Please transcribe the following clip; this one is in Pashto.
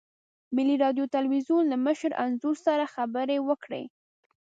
ملي راډیو تلویزیون له مشر انځور سره خبرې وکړې.